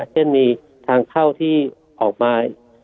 เช่นมีทางเข้าที่ออกมา